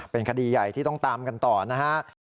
เป็นคดีใหญ่ที่ต้องตามกันต่อนะครับ